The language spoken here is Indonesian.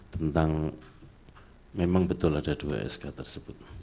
tentang memang betul ada dua sk tersebut